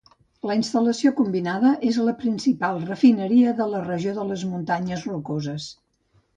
La instal·lació combinada és la principal refineria de la regió de les Muntanyes Rocoses.